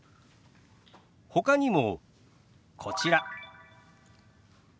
ほかにもこちら。